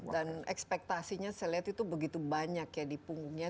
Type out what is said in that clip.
dan ekspektasinya saya lihat itu begitu banyak ya di punggungnya